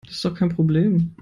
Das ist doch kein Problem.